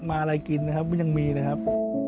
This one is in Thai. มาอะไรกินนะครับมันยังมีเลยครับ